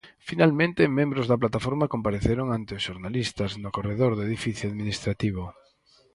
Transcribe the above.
Finalmente, membros da Plataforma compareceron ante os xornalistas no corredor do edificio administrativo.